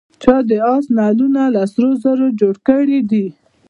چا د آس نعلونه له سرو زرو جوړ کړي دي.